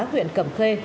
huyện cẩm khê